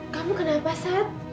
kamu kenapa zad